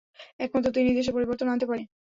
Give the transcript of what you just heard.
একমাত্র তিনিই দেশে পরিবর্তন আনতে পারে।